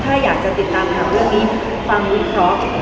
ถ้าอยากจะติดตามหาเรื่องนี้ฟังวิเคราะห์